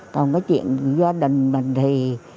còn cái chuyện gia đình mình thì